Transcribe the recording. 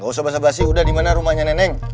gak usah basah basih udah dimana rumahnya nenek